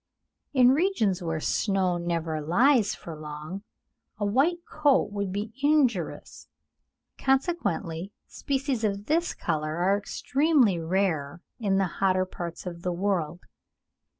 In regions where snow never lies for long, a white coat would be injurious; consequently, species of this colour are extremely rare in the hotter parts of the world.